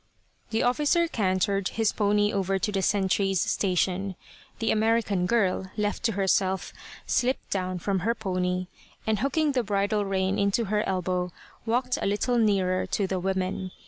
The officer cantered his pony over to the sentry's station. The American girl, left to herself, slipped down from her pony, and hooking the bridle rein into her elbow, walked a little nearer to the women.